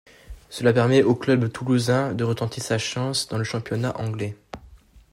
Cela permet au club toulousain de retenter sa chance dans le Championnat anglais.